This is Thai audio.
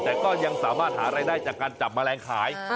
แต่ก็ยังสามารถหารายได้จากการจับแมลงขาย